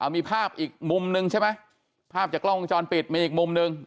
มีภาพอีกมุมนึงใช่ไหมภาพจากกล้องวงจรปิดมีอีกมุมหนึ่ง